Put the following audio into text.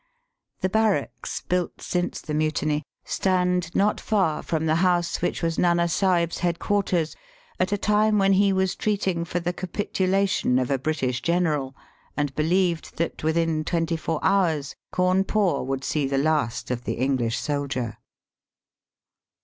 The barracks, Ijxult since the Mutiny, stand not far from the house which was Nana Sahib's head quarters ^t a time when he was treating for the capitu lation of a British general, and believed that within twenty four hours Cawnpore would see the last of the English soldier.